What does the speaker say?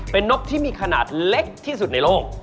เป็นนกที่มีขนาดเล็กที่สุดในโลก